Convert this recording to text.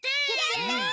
やった！